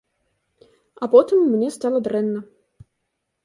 А потым мне стала дрэнна.